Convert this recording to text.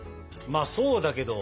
まあそうだけど。